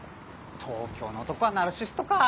東京の男はナルシストかぁ。